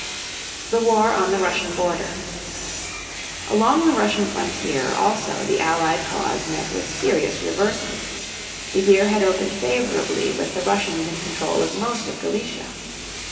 THE WAR ON THE RUSSIAN BORDER. Along the Russian frontier also the Allied cause met with serious reverses. The year had opened favorably with the Russians in control of most of Galicia.